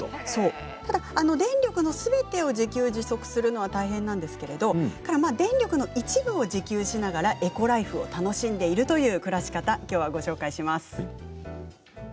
電力のすべてを自給自足するのは大変ですが電力の一部を自給しながらエコライフを楽しんでいるという暮らし方をご紹介します。